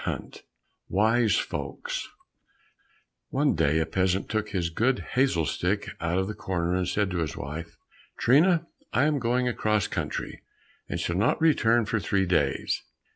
104 Wise Folks One day a peasant took his good hazel stick out of the corner and said to his wife, "Trina, I am going across country, and shall not return for three days.